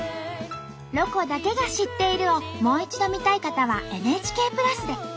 「ロコだけが知っている」をもう一度見たい方はＮＨＫプラスで。